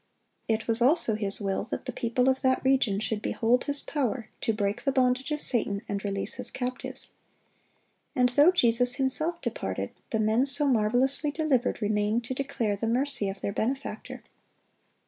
It was also His will that the people of that region should behold His power to break the bondage of Satan and release his captives. And though Jesus Himself departed, the men so marvelously delivered, remained to declare the mercy of their Benefactor.